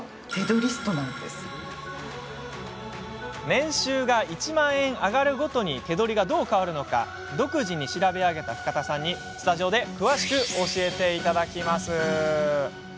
年収が１万円上がるごとに手取りがどう変わるのか独自に調べ上げた深田さんにスタジオで詳しく教えていただきます。